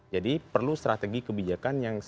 jadi perlu strategi kebijakan yang cukup